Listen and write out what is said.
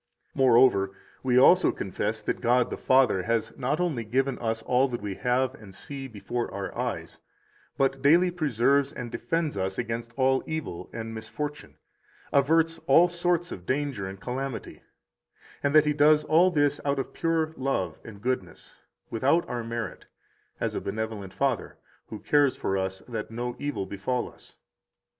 17 Moreover, we also confess that God the Father has not only given us all that we have and see before our eyes, but daily preserves and defends us against all evil and misfortune, averts all sorts of danger and calamity; and that He does all this out of pure love and goodness, without our merit, as a benevolent Father, who cares for us that no evil befall us.